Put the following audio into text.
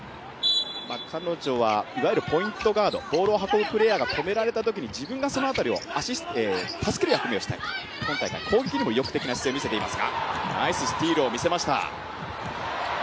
彼女はいわゆるポイントガードボールを運ぶプレーヤーが止められたときに自分がそのあたりを助ける役割をしたいと今大会、攻撃にも意欲的な姿勢を見せています。